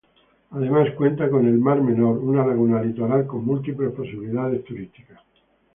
Además, cuenta con el Mar Menor, una laguna litoral con múltiples posibilidades turísticas.